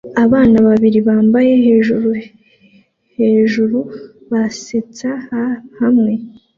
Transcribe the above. Abana babiri bambaye hejuru hejuru basetsa hamwe